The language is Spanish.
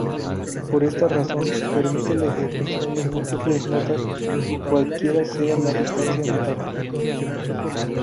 Por esta razón, permite la ejecución de múltiples notas cualquiera sea la distancia tonal.